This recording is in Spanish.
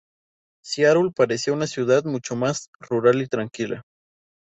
Seattle parecía una ciudad mucho más rural y tranquila.